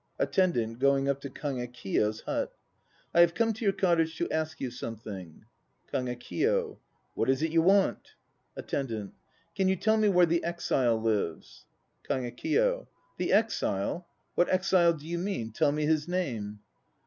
ATTENDANT (going up to KAGEKIYO'S hut). I have come to your cottage to ask you something. KAGEKIYO. What is it you want? ATTENDANT. Can you tell me where the exile lives? KAGEKIYO. The exile? What exile do you mean? Tell me his name.